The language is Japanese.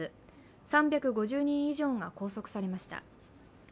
３５０人以上が拘束されました。